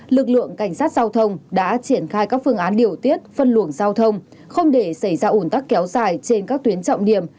lực lượng cảnh sát giao thông đã triển khai các phương án điều tiết phân luồng giao thông không để xảy ra ủn tắc kéo dài trên các tuyến trọng điểm